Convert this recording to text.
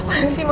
apaan sih mama